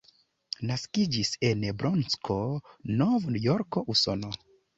Naskiĝis en Bronkso, Nov-Jorko, Usono.